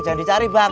jangan dicari bang